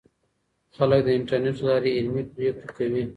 خلک د انټرنیټ له لارې علمي پریکړې کوي.